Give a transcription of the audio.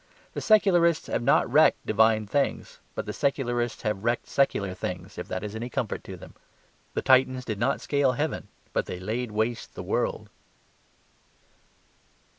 The secularists have not wrecked divine things; but the secularists have wrecked secular things, if that is any comfort to them. The Titans did not scale heaven; but they laid waste the world.